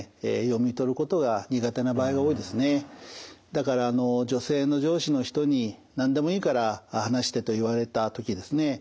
だから女性の上司の人に「何でもいいから話して」と言われた時ですね